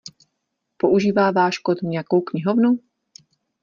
Používá váš kód nějakou knihovnu?